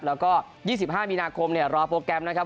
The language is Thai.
แล้วก็๒๕มีนาคมรอโปรแกรมนะครับ